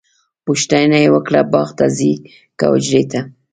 پوښتنه یې وکړه باغ ته ځئ که حجرې ته؟